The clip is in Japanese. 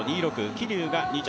桐生が、２着。